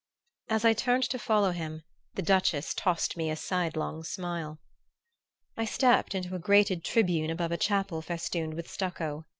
As I turned to follow him the Duchess tossed me a sidelong smile. I stepped into a grated tribune above a chapel festooned with stucco.